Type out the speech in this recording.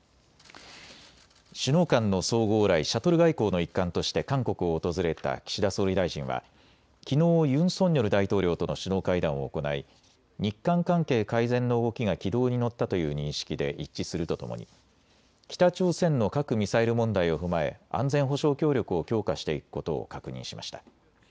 首脳間の相互往来、シャトル外交の一環として韓国を訪れた岸田総理大臣はきのうユン・ソンニョル大統領との首脳会談を行い日韓関係改善の動きが軌道に乗ったという認識で一致するとともに北朝鮮の核・ミサイル問題を踏まえ安全保障協力を強化していくことを確認しました。